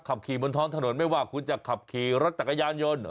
ขับขี่บนท้องถนนไม่ว่าคุณจะขับขี่รถจักรยานยนต์